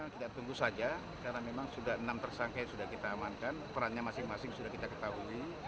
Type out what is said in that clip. kita tunggu saja karena memang sudah enam tersangka yang sudah kita amankan perannya masing masing sudah kita ketahui